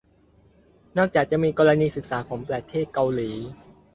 นอกจากจะมีกรณีศึกษาของประเทศเกาหลี